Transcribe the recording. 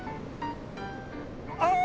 ああ！